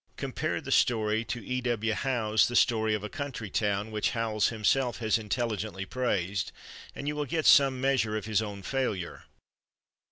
Compare the story to E. W. Howe's "The Story of a Country Town," which Howells himself has intelligently praised, and you will get some measure of his own failure.